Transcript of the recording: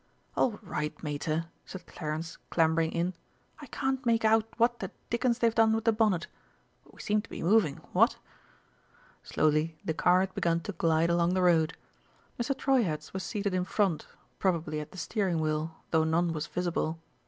"All right, Mater!" said Clarence, clambering in. "I can't make out what the dickens they've done with the bonnet but we seem to be moving, what?" Slowly the car had begun to glide along the road. Mr. Treuherz was seated in front, probably at the steering wheel, though none was visible.